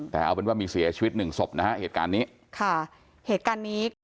แต่เอาเป็นว่ามีเสียชีวิตหนึ่งศพนะฮะเหตุการณ์นี้